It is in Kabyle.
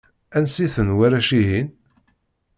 Ansi-ten warrac-ihin?